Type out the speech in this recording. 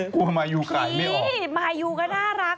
กลัวมายูกายไม่ออกพี่มายูก็น่ารัก